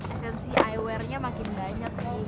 esensi eyewearnya makin banyak sih